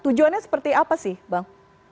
tujuannya seperti apa sih bang